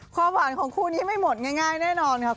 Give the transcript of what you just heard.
ความหวานของคู่นี้ไม่หมดง่ายแน่นอนครับ